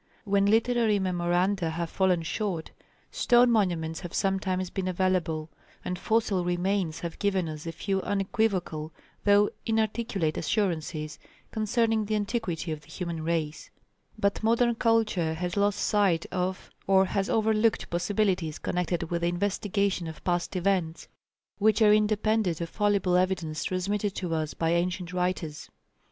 When literary memoranda have fallen short, stone monuments have sometimes been available, and fossil remains have given us a few unequivocal, though inarticulate assurances concerning the antiquity of the human race; but modern culture has lost sight of or has overlooked possibilities connected with the investigation of past events, which are independent of fallible evidence transmitted to us by ancient writers.